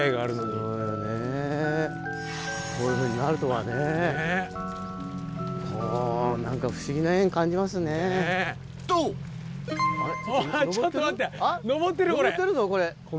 そうよねぇこういうふうになるとはね。とおいちょっと待って。